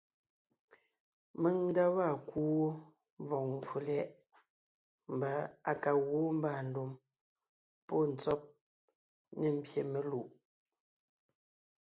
Mèŋ nda waa kuu wó mvɔ̀g mvfò lyɛ̌ʼ mbà à ka gwoon mbàandùm pɔ́ ntsɔ́b ne mbyè melùʼ;